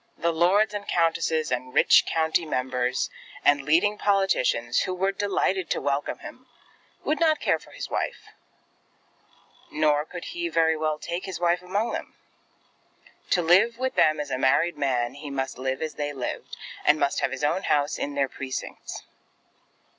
The lords and countesses, and rich county members, and leading politicians, who were delighted to welcome him, would not care for his wife; nor could he very well take his wife among them. To live with them as a married man, he must live as they lived; and must have his own house in their precincts.